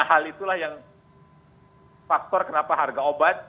hal itulah yang faktor kenapa harga obat